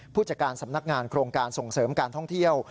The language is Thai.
ผู้จัดการสำนักงานโครงการส่งเสริมการท่องเที่ยว